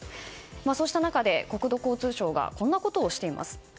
そうした中で国土交通省がこんなことをしています。